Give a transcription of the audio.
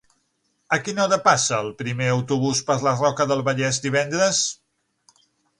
A quina hora passa el primer autobús per la Roca del Vallès divendres?